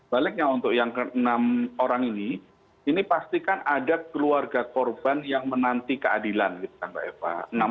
baliknya untuk yang ke enam orang ini ini pastikan ada keluarga korban yang menanti keadilan gitu kan mbak eva